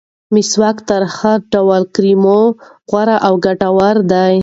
مسواک تر هر ډول کریمو غوره او ګټور دی.